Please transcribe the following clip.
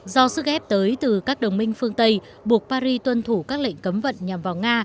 do sức ép tới từ các đồng minh phương tây buộc paris tuân thủ các lệnh cấm vận nhằm vào nga